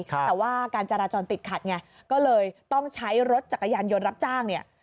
แต่ว่าการจราจรติดขัดไงก็เลยต้องใช้รถจักรยานยนต์รับจ้างเนี่ย